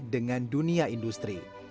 dengan dunia industri